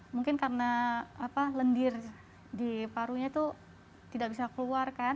mungkin karena lendir di parunya itu tidak bisa keluar kan